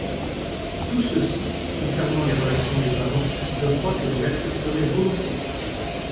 Tout ceci, concernant les relations des amants, je crois que vous l’accepterez volontiers.